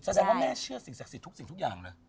แสดงว่าแม่เชื่อสิ่งศักดิ์สิทธิ์ทุกสิ่งทุกอย่างเลย